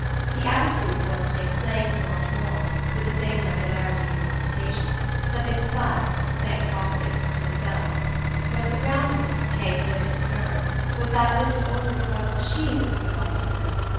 The attitude was to make plain to Aunt Maud, with the same regularity as her invitations, that they sufficed thanks awfully to themselves. But the ground of it, Kate lived to discern, was that this was only because SHE didn't suffice to them.